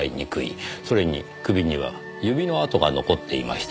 それに首には指の痕が残っていました。